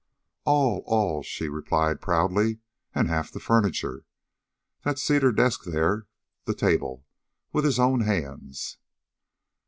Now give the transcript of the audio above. "All, all," she replied proudly. "And half the furniture. That cedar desk there, the table with his own hands."